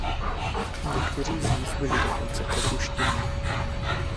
Někteří z nich byly dokonce propuštěni.